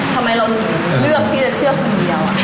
ทำไมเราเลือกที่จะเชื่อคนเดียว